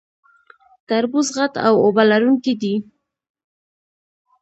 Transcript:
تربوز غټ او اوبه لرونکی دی